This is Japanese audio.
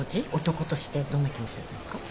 男としてどんな気持ちだったんですか？